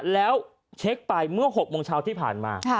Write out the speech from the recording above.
แล้วเช็คไปเมื่อ๖โมงเช้าที่ผ่านมา